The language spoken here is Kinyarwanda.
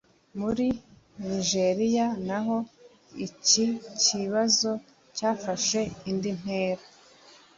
muri nigeriya naho iki kibazo cyafashe indi ntera